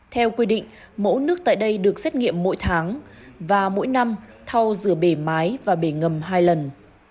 theo quy định mẫu nước tại đây được xét nghiệm mỗi tháng và mỗi năm thau rửa bể mái và bể ngầm hai lần